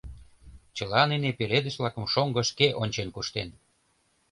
Чыла нине пеледыш-влакым шоҥго шке ончен куштен.